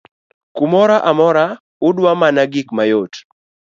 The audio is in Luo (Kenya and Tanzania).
kumoro amora udwa mana gik mayot